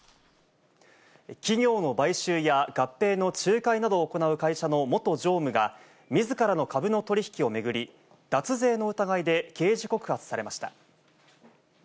企業の買収や合併の仲介などを行う会社の元常務が、みずからの株の取り引きを巡り、脱税の疑いで刑事告発されました。